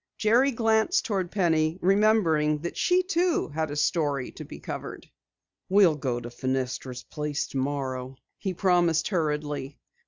Jerry glanced toward Penny, remembering that she too had a "story" to be covered. "We'll go to Fenestra's place tomorrow," he promised hurriedly.